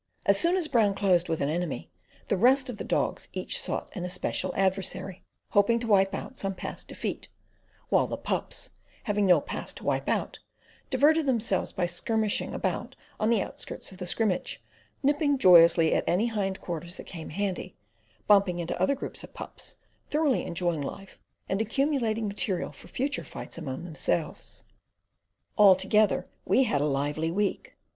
As soon as Brown closed with an enemy, the rest of the dogs each sought an especial adversary, hoping to wipe out some past defeat; while the pups, having no past to wipe out, diverted themselves by skirmishing about on the outskirts of the scrimmage, nipping joyously at any hind quarters that came handy, bumping into other groups of pups, thoroughly enjoying life, and accumulating material for future fights among themselves. Altogether we had a lively week.